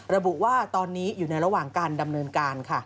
ระบุว่าตอนนี้อยู่ในระหว่างการดำเนินการค่ะ